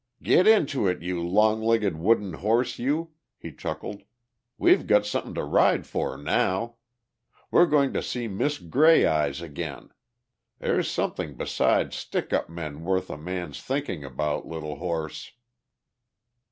"Get into it, you long legged wooden horse, you!" he chuckled. "We've got something to ride for now! We're going to see Miss Grey Eyes again. There's something besides stick up men worth a man's thinking about, little horse!"